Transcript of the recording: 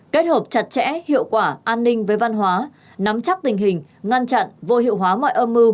kết hợp chặt chẽ hiệu quả an ninh với văn hóa nắm chắc tình hình ngăn chặn vô hiệu hóa mọi âm mưu